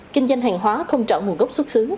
kinh doanh hàng hóa không trọn nguồn gốc xuất xứ